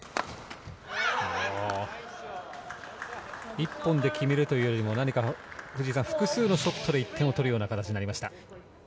１本で決めるというよりも複数のショットで１点を取るような形になりました。